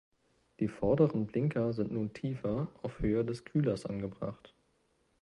Die vorderen Blinker sind nun tiefer, auf Höhe des Kühlers angebracht.